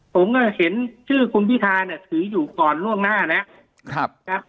ผมก็เห็นชื่อคุณพิธาเนี่ยถืออยู่ก่อนล่วงหน้าแล้ว